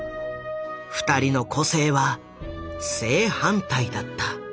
二人の個性は正反対だった。